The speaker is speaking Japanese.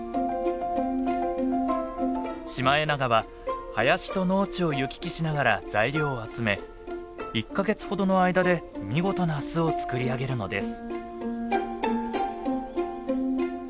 シマエナガは林と農地を行き来しながら材料を集め１か月ほどの間で見事な巣を作り上げるのです。